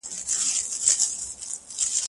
زه اوس سندري وايم!.